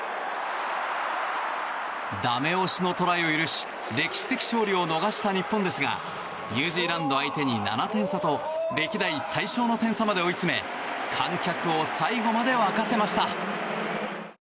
ダメ押しのトライを許し歴史的勝利を逃した日本ですがニュージーランド相手に７点差と歴代最小の点差まで追い詰め観客を最後まで沸かせました。